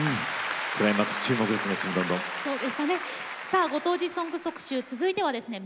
さあご当地ソング特集続いてはですね